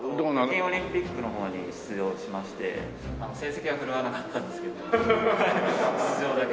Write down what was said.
北京オリンピックの方に出場しまして成績は振るわなかったんですけど出場だけ。